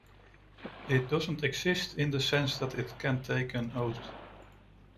It doesn't exist in the sense that it can take an oath.